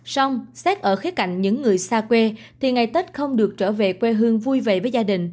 xong xét ở khía cạnh những người xa quê thì ngày tết không được trở về quê hương vui vẻ với gia đình